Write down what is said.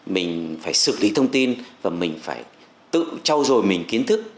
mình phải xử lý thông tin và mình phải tự trao dồi mình kiến thức